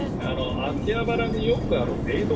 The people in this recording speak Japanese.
秋葉原によくあるメイド